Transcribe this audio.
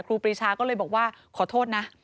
ครีชาก็เลยบอกว่าขอโทษนะ